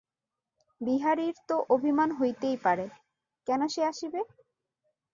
বিহারীর তো অভিমান হইতেই পারে–কেন সে আসিবে।